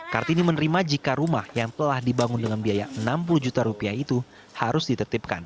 kartini menerima jika rumah yang telah dibangun dengan biaya enam puluh juta rupiah itu harus ditertipkan